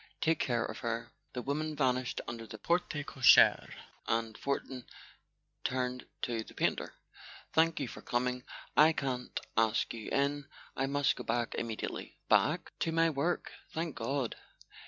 Take care of her." The women vanished under the porte cochere, and Fortin turned to the painter. "Thank you for coming. I can't ask you in—I must go back immediately." "Back?" "To my work. Thank God.